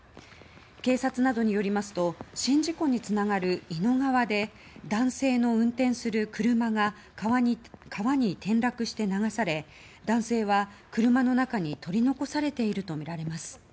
警察などによりますと宍道湖につながる伊野川で男性の運転する車が川に転落して流され男性は車の中に取り残されているとみられます。